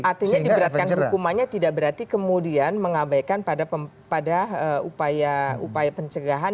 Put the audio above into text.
artinya diberatkan hukumannya tidak berarti kemudian mengabaikan pada upaya pencegahan